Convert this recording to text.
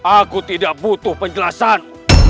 aku tidak butuh penjelasan